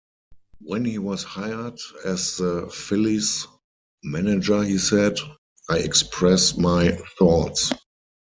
When he was hired as the Phillies' manager, he said: I express my thoughts.